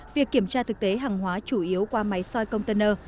việc kiểm tra thực tế hàng hóa chủ yếu qua máy soi container